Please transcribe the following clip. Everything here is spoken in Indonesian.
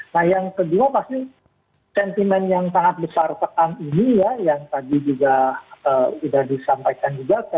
nah yang kedua pasti sentimen yang sangat besar pekan ini ya yang tadi juga sudah disampaikan juga